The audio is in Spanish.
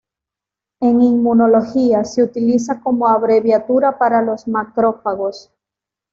En Inmunología, se utiliza como abreviatura para los macrófagos.